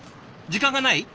時間がない？